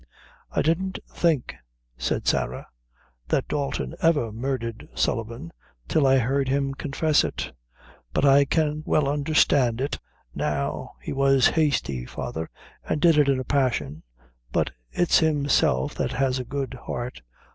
"I didn't think," said Sarah, "that Dalton ever murdered Sullivan till I heard him confess it; but I can well understand it now. He was hasty, father, and did it in a passion, but it's himself that has a good heart.